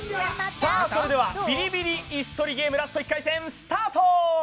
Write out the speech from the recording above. それでは「ビリビリイス取りゲーム」ラスト１回戦スタート！